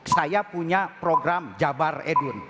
saya punya program jabar edun